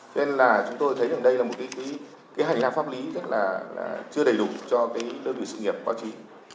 cho nên là chúng tôi thấy rằng đây là một hành lạc pháp lý rất là chưa đầy đủ cho đơn vị sự nghiệp báo chí